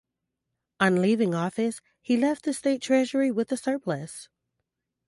On leaving office, he left the state treasury with a surplus.